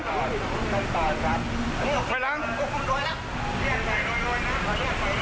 มานี่ไหมมานี่ไหมคล่องคล่องคล่องไหนไหม